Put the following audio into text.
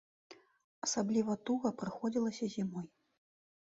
Асабліва туга прыходзілася зімой.